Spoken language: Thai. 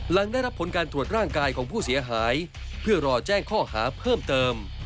หลังได้รับผลการตรวจร่างกายของผู้เสียหายเพื่อรอแจ้งข้อหาเพิ่มเติม